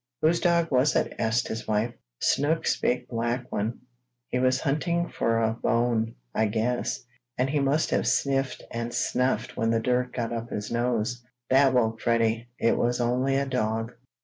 "Whose dog was it?" asked his wife. "Snook's big black one. He was hunting for a bone, I guess, and he must have sniffed and snuffed when the dirt got up his nose. That woke Freddie. It was only a dog."